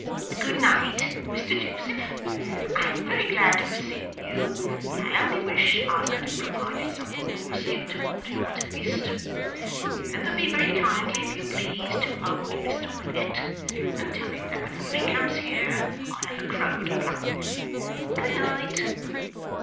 Good night, Mr Joseph. I'm very glad to have seen you, and I only wish I could have provided something more suitable to your taste. Remember me very kindly if you please to old Mr Willet, and tell him that whenever he comes here I have a crow to pluck with him. Good night!